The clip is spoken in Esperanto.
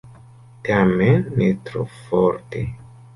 Tamen ne tro forte.